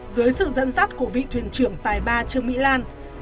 dưới sự dẫn dắt của vị thuyền trưởng tài ba trương mỹ lan